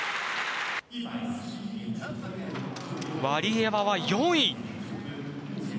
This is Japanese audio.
ワリエワは４位。